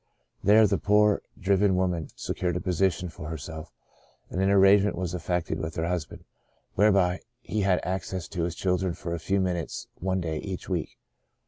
There the poor, driven woman se cured a position for herself, and an arrange ment was effected with her husband, whereby he had access to his child for a few minutes one day each week.